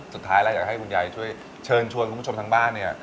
สุดท้ายแล้วอยากให้คุณยายช่วยเชิญชวนคุณผู้ชมทางบ้านเนี่ย